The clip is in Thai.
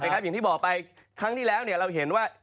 อย่างที่บอกไปครั้งที่แล้วเราเห็นว่า